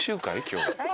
今日。